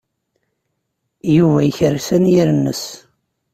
Yuba yekres anyir-nnes.